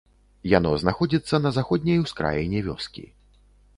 Яно знаходзіцца на заходняй ускраіне вёскі.